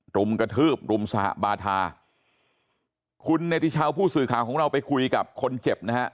รุมกระทืบรุมสหบาทาคุณเนติชาวผู้สื่อข่าวของเราไปคุยกับคนเจ็บนะฮะ